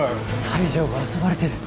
西条が遊ばれてる。